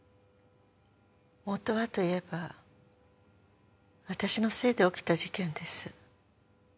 元はといえば私のせいで起きた事件です。